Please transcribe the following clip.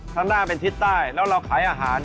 ข้างหน้าเป็นทิศใต้แล้วเราขายอาหาร